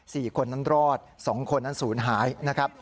สี่คนนั้นรอดสองคนนั้นศูนย์หายนะครับ